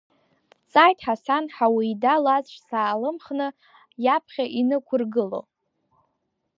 Дҵааит Ҳасан Ҳауида лаҵәца аалымхны, иаԥхьа инықәыргыло.